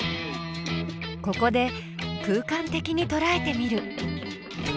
ここで空間的にとらえてみる。